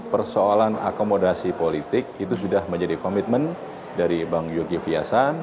persoalan akomodasi politik itu sudah menjadi komitmen dari bang yogi fiasan